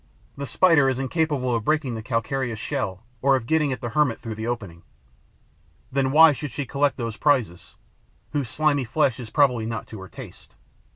The Spider is incapable of breaking the calcareous shell or of getting at the hermit through the opening. Then why should she collect those prizes, whose slimy flesh is probably not to her taste?